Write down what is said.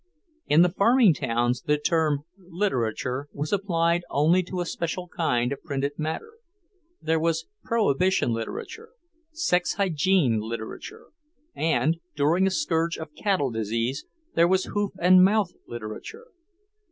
In the farming towns the term "literature" was applied only to a special kind of printed matter; there was Prohibition literature, Sex Hygiene literature, and, during a scourge of cattle disease, there was Hoof and Mouth literature.